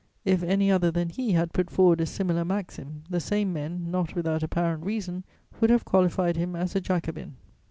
If any other than he had put forward a similar maxim, the same men, not without apparent reason, would have qualified him as a Jacobin."